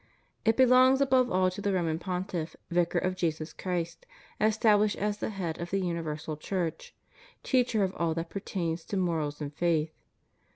It belongs above all to the Roman Pontiff, vicar of Jesus Christ, established as head of the universal Church, teacher of all that pertains to morals and faith.